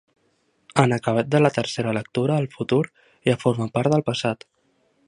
En acabat de la tercera lectura “El futur” ja forma part del passat.